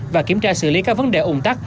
và kiểm tra xử lý các vấn đề ủng tắc